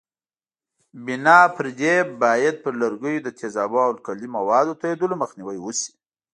بنا پر دې باید پر لرګیو د تیزابونو او القلي موادو توېدلو مخنیوی وشي.